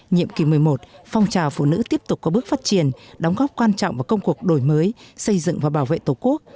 nhiệm kỳ một mươi một phong trào phụ nữ tiếp tục có bước phát triển đóng góp quan trọng vào công cuộc đổi mới xây dựng và bảo vệ tổ quốc